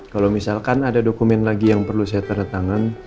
kalau misalkan ada dokumen lagi yang perlu saya tanda tangan